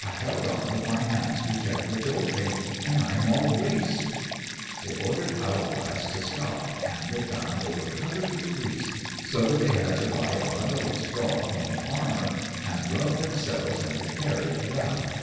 I held on with my hands to check the jolting, and I am all grease." They ordered Owlglass to stop, and they found they were covered with grease; so that they had to buy a bundle of straw from a farmer and rub themselves and the carriage well.